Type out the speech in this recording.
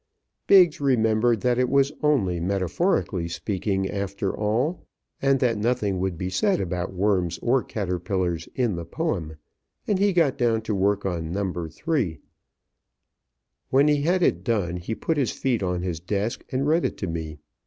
Biggs remembered that it was only metaphorically speaking, after all, and that nothing would be said about worms or caterpillars in the poem, and he got down to work on No. 3. When he had it done, he put his feet on his desk and read it to me.